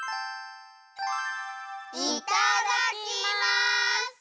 いただきます！